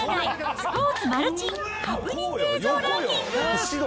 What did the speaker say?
スポーツまる珍ハプニング映像ランキング。